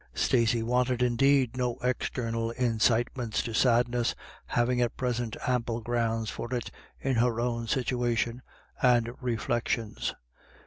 Stacey wanted, indeed, no external incitements to sadness, having at present ample grounds for it in her own situation and reflections.